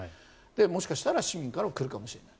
もしかしたら市民からも来るかもしれない。